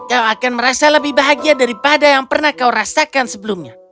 kau akan merasa lebih bahagia daripada yang pernah kau rasakan sebelumnya